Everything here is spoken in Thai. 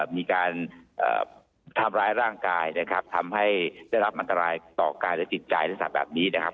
มีการทำร้ายร่างกายนะครับทำให้ได้รับอันตรายต่อกายและจิตใจลักษณะแบบนี้นะครับ